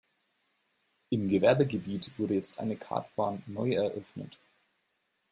Im Gewerbegebiet wurde jetzt eine Kartbahn neu eröffnet.